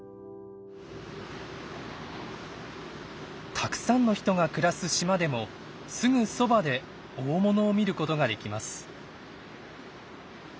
たくさんの人が暮らす島でもすぐそばで大物を見ることができます。